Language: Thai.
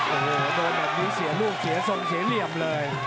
โอ้โหโดนแบบนี้เสียลูกเสียทรงเสียเหลี่ยมเลย